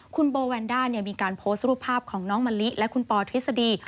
คุณโบแวนด้ามีการโพสต์รูปภาพของน้องมะลิและคุณปอทฤษฎี